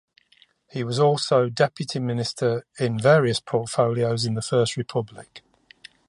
He was also deputy minister in various portfolios in the first republic.